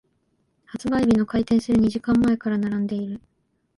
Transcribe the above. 発売日の開店する二時間前から並んでいる。